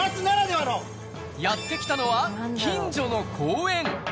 やって来たのは、近所の公園。